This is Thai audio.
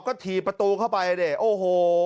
ก็ถีประตูเข้าไปเด้อยักษ์โอ้โห